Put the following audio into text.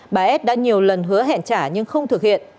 bà s đã nhiều lần hứa hẹn trả nhưng không thực hiện